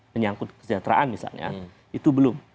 menyangkut kesejahteraan misalnya itu belum